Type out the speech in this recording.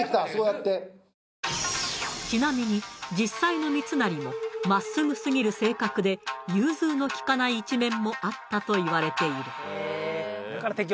ちなみに実際の三成も真っすぐすぎる性格で融通の利かない一面もあったといわれている。